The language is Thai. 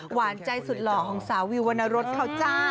หวานใจสุดหล่อของสาววิววรรณรสเขาจ้า